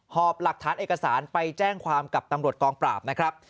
หอบหลักฐานเอกสารไปแจ้งความกับตำรวจกองปราบนะครับ